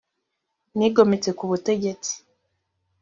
nigometse ku butegetsi